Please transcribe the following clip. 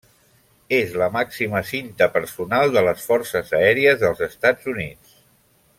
És la màxima cinta personal de les Forces Aèries dels Estats Units.